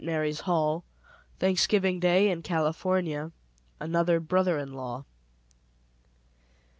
MARY'S HALL THANKSGIVING DAY IN CALIFORNIA ANOTHER BROTHER IN LAW.